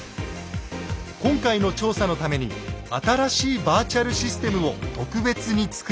今回の調査のために新しいバーチャル・システムを特別に作り上げました。